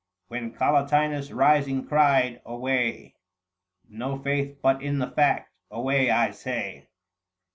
When Collatinus rising cried, " Away ! No faith but in the fact ; away, I say